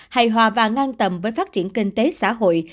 hài hòa và ngang tầm với phát triển kinh tế xã hội